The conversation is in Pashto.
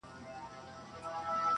چي نه دي وينم، اخير به مي هېر سى.